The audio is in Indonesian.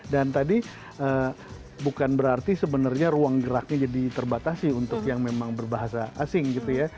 dan tadi bukan berarti sebenarnya ruang geraknya jadi terbatasi untuk yang memang berbahasa asing gitu ya